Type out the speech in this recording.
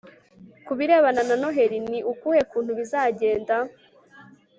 kubirebana na noheli ni ukuhe kuntu bizagenda